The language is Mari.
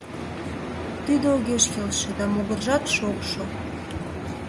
Тиде огеш келше, да могыржат шокшо.